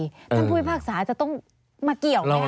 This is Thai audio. ถ้ามันผู้พิพากษาจะต้องมาเกี่ยวไง